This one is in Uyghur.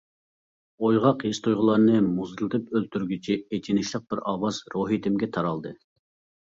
ئويغاق ھېس-تۇيغۇلارنى مۇزلىتىپ ئۆلتۈرگۈچى ئېچىنىشلىق بىر ئاۋاز روھىيىتىمگە تارالدى.